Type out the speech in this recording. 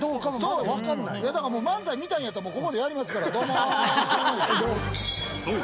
だから漫才見たいんやったらもうここでやりますから。